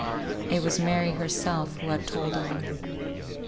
It was Mary herself who had told all.